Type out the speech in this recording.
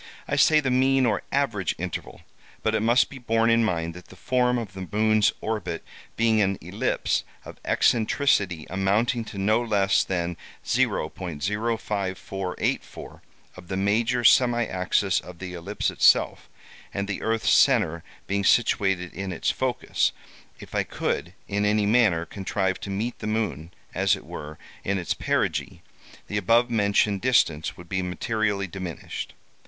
I say the mean or average interval, but it must be borne in mind that the form of the moon's orbit being an ellipse of eccentricity amounting to no less than 0.05484 of the major semi axis of the ellipse itself, and the earth's centre being situated in its focus, if I could, in any manner, contrive to meet the moon, as it were, in its perigee, the above mentioned distance would be materially diminished.